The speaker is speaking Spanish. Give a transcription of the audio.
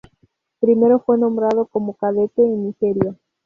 Primero fue nombrado como cadete en Nigeria.